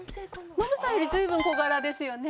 ノブさんより随分小柄ですよね。